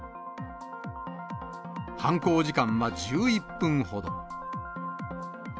犯行時間は１１分ほど。